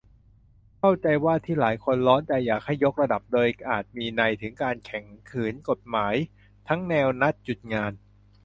เข้าใจว่าที่หลายคนร้อนใจอยากให้ "ยกระดับ" โดยอาจมีนัยถึงการแข็งขืนกฎหมาย ทั้งแนวนัดหยุดงาน